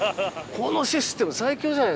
このシステム最強じゃないですか。